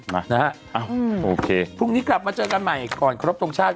มานะฮะอ้าวโอเคพรุ่งนี้กลับมาเจอกันใหม่ก่อนครบทรงชาติ